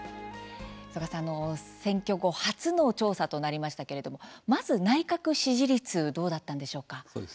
曽我さん、選挙後初の調査となりましたけれどまず内閣支持率はどうだったんでしょうか。